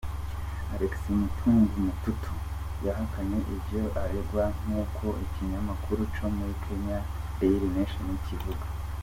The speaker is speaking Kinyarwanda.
Alex Mutunga Mutuku, yahakanye ivyo aregwa, nkuko ikinyamakuru co muri Kenya, Daily Nation, kivuga.